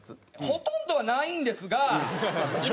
ほとんどはないんですが。